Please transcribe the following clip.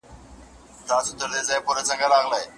که قرض پر وخت ورکړو نو اړیکې نه خرابیږي.